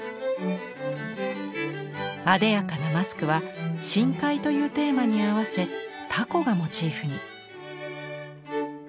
あでやかなマスクは「深海」というテーマに合わせタコがモチーフに。